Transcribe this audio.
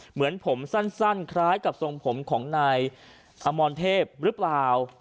เหมือนผมสั้นคล้ายกับทรงผมของนายอมรเทพหรือเปล่า